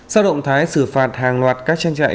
sau động thái xử phạt hàng loạt các trang trại